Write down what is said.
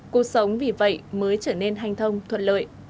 cuộc sống vì vậy mới trở nên hành thông thuận lợi